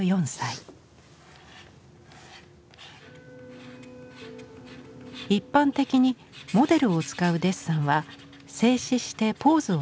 一般的にモデルを使うデッサンは静止してポーズをとってもらう。